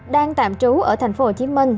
đang tạm trú ở thành phố hồ chí minh